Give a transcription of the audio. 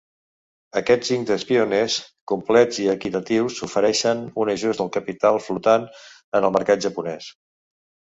Aquests índex pioners, complets i equitatius, ofereixen un ajust del capital flotant en el mercat japonès.